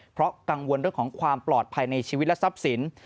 เพราะกังวลเรื่องของความปลอดภัยในชีวิตและทรัพย์สิน